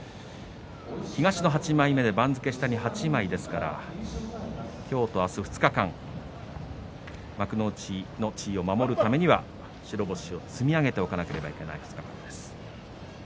東の８枚目で番付下に８枚ですから今日と明日、２日間幕内の地位を守るためには白星を積み上げておかなければいけません。